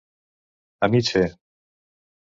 A mig fer.